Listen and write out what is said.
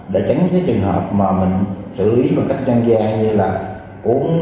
để tránh trường hợp mà mình xử lý bằng cách nhanh gian như là uống